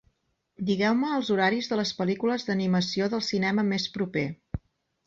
Digueu-me els horaris de les pel·lícules d'animació del cinema més proper